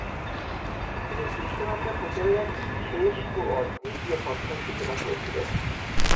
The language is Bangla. তিনি কৃষ্ণভাবনা প্রচারের এক বিশেষ ও অদ্বিতীয় পন্থার সূচনা করেছিলেন।